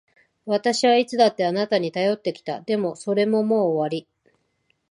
私はいつだってあなたに頼ってきた。でも、それももう終わり。